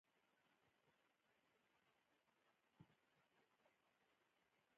متل دی: په ړندو کې د یوې سترګې واله باچا دی.